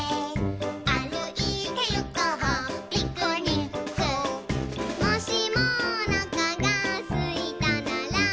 「あるいてゆこうピクニック」「もしもおなかがすいたなら」